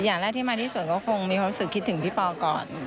อย่างแรกที่มาที่สุดก็คงมีความรู้สึกคิดถึงพี่ปอก่อน